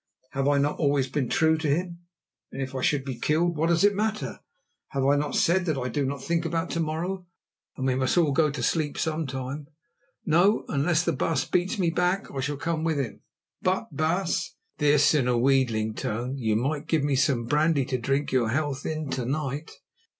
"Have I not always been true to him; and if I should be killed, what does it matter? Have I not said that I do not think about to morrow, and we must all go to sleep sometime? No; unless the baas beats me back, I shall come with him. But, baas"—this in a wheedling tone—"you might give me some brandy to drink your health in to night.